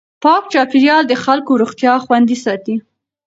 پاک چاپېریال د خلکو روغتیا خوندي ساتي.